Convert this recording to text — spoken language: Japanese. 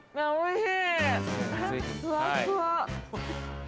おいしい。